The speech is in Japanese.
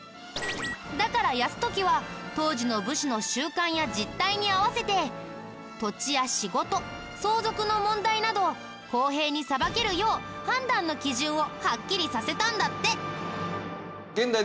だから泰時は当時の武士の習慣や実態に合わせて土地や仕事相続の問題など公平に裁けるよう判断の基準をはっきりさせたんだって。